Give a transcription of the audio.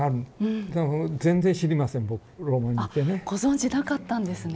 あご存じなかったんですね。